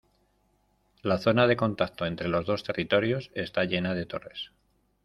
La zona de contacto entre los dos territorios está llena de torres.